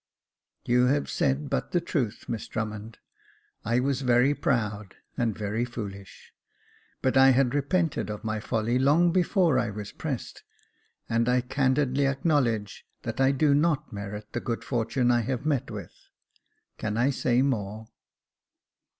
" You have said but the truth. Miss Drummond. I was very proud and very foolish ; but I had repented of my folly long before I was pressed ; and I candidly acknow ledge that I do not merit the good fortune I have met with. Can I say more